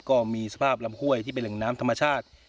ก็มีสภาพลำห้วยที่เป็นแหล่งน้ำธรรมชาติ